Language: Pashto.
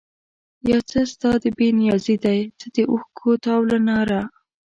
یو څه ستا د بې نیازي ده، څه د اوښکو تاو له ناره